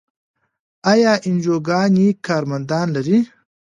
آیا انجیوګانې کارمندان لري؟